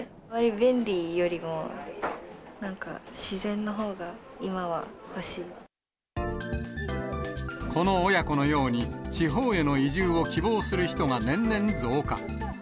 便利よりもなんか自然のほうこの親子のように、地方への移住を希望する人が年々増加。